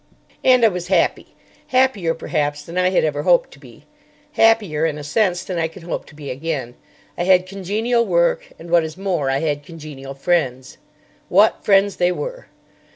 And I was happy. Happier, perhaps, than I had ever hoped to be. Happier, in a sense, than I can hope to be again. I had congenial work, and, what is more, I had congenial friends. What friends they were!